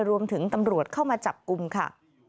รวมถึงตำรวจเข้ามาจับกลุ่มค่ะ